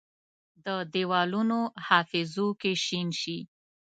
د دیوالونو حافظو کې شین شي،